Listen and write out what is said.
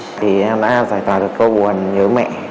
thì em đã giải tỏa được câu buồn nhớ mẹ